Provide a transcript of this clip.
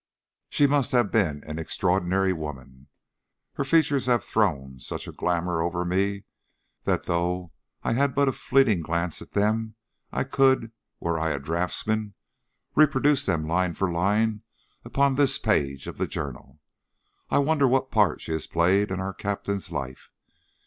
She must have been an extraordinary woman. Her features have thrown such a glamour over me that, though I had but a fleeting glance at them, I could, were I a draughtsman, reproduce them line for line upon this page of the journal. I wonder what part she has played in our Captain's life.